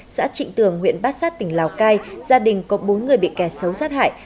xã trịnh tường huyện bát sát tỉnh lào cai gia đình có bốn người bị kẻ xấu sát hại